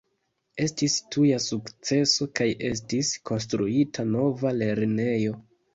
Estis tuja sukceso kaj estis konstruita nova lernejo.